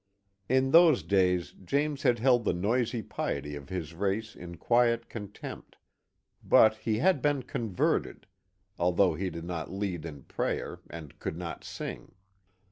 In those days James had held the noisy piety of his race in quiet contempt, but he had been "converted," although he did not lead in prayer, and could not sing.